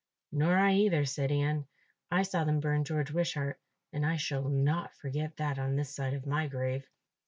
"Nor I either," said Ian. "I saw them burn George Wishart, and I shall not forget that on this side of my grave."